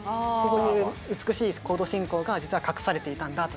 美しいコード進行が実は隠されてたんだとか。